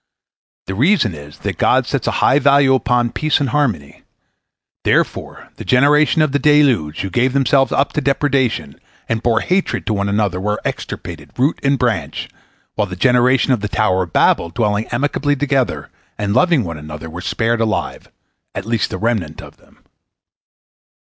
The reason is that God sets a high value upon peace and harmony. Therefore the generation of the deluge, who gave themselves up to depredation, and bore hatred to one another, were extirpated, root and branch, while the generation of the Tower of Babel dwelling amicably together, and loving one another, were spared alive, at least a remnant of them.